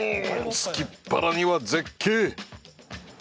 すきっ腹には絶景！